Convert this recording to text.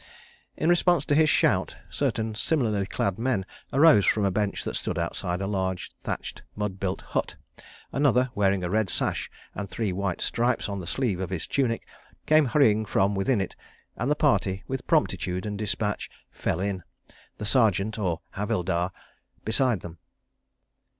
In response to his shout, certain similarly clad men arose from a bench that stood outside a large thatched, mud built hut, another, wearing a red sash and three white stripes on the sleeve of his tunic, came hurrying from within it, and the party, with promptitude and dispatch, "fell in," the Sergeant (or Havildar) beside them.